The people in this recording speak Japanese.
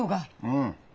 うん。